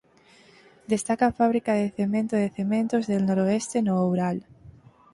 Destaca a fábrica de cemento de Cementos del Noroeste no Oural.